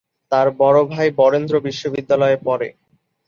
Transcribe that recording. তার বড় ভাই বরেন্দ্র বিশ্ববিদ্যালয়ে পড়ে।